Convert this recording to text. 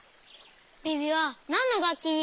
ビビはなんのがっきにしたの？